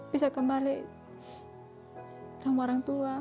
bisa kembali sama orang tua